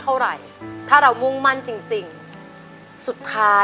ยังไม่มีให้รักยังไม่มี